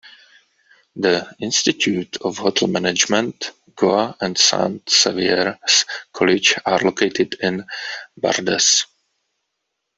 The Institute of Hotel Management, Goa and Saint Xavier's College are located in Bardez.